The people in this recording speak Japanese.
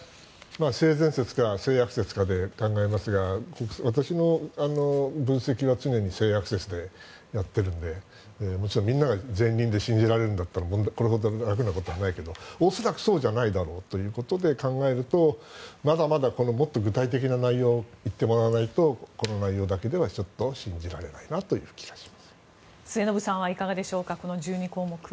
性善説か性悪説かで考えますが私の分析は常に性悪説でやっているのでそれはみんなが善人で信じられるんだったらこんなに楽なことはないけど恐らくそうじゃないだろうということで考えるとまだまだもっと具体的なことを言ってもらわないとこの内容だけではちょっと信じられないなという末延さんはいかがでしょうかこの１２項目。